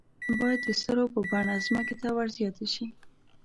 باید د سرو په بڼه ځمکې ته ور زیاتې شي.